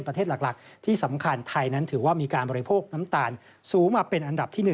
ประเทศหลักที่สำคัญไทยนั้นถือว่ามีการบริโภคน้ำตาลสูงมาเป็นอันดับที่๑